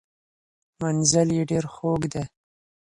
منزل یې ډیر خوږ دی.